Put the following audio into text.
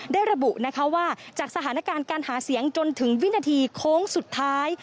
ระบุนะคะว่าจากสถานการณ์การหาเสียงจนถึงวินาทีโค้งสุดท้าย